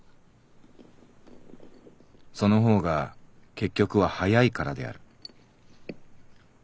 その方が結局は早いからである」。